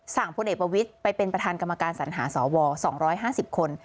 พลเอกประวิทย์ไปเป็นประธานกรรมการสัญหาสว๒๕๐คน